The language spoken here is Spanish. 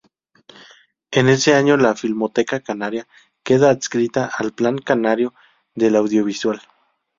Ese año la Filmoteca Canaria queda adscrita al Plan Canario del Audiovisual.